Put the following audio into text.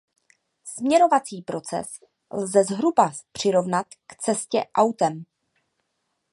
Směrovací proces lze zhruba přirovnat k cestě autem.